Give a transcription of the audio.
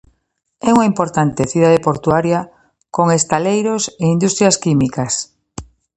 É unha importante cidade portuaria, con estaleiros e industrias químicas.